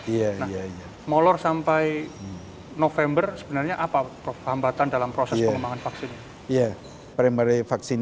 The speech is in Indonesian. nah molor sampai november sebenarnya apa prof hambatan dalam proses pengembangan vaksin